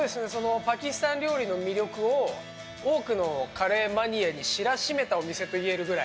パキスタン料理の魅力を多くのカレーマニアに知らしめたお店といえるぐらい。